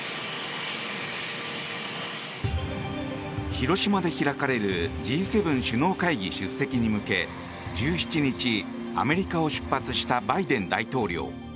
広島で開かれるＧ７首脳会議出席に向け１７日、アメリカを出発したバイデン大統領。